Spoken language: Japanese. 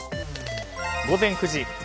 午前９時。